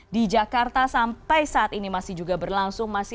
di jakarta sampai saat ini masih juga berlangsung